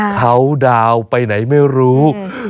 เขาดาวน์ไปไหนไม่รู้